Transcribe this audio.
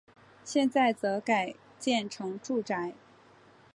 现在则改建成住宅。